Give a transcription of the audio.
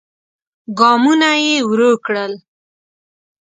ګامونه يې ورو کړل.